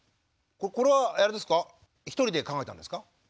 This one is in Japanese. これはあれですか一人で考えたんですか？